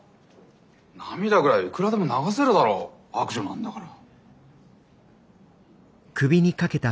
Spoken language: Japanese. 涙ぐらいいくらでも流せるだろ悪女なんだから。